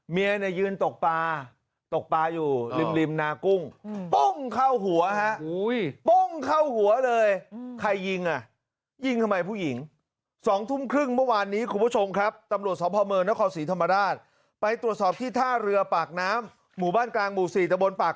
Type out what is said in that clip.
เมียเนี่ยยืนตกปลาตกปลาอยู่ริมนากุ้ง